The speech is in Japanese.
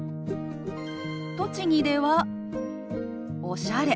栃木では「おしゃれ」。